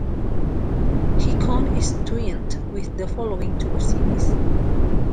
Hikone is twinned with the following two cities.